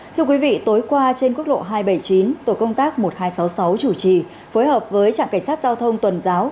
thưa quý vị tối qua trên quốc lộ hai trăm bảy mươi chín tổ công tác một nghìn hai trăm sáu mươi sáu chủ trì phối hợp với trạm cảnh sát giao thông tuần giáo